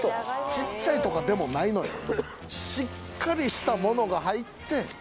ちっちゃいとかでもないのよえっ！？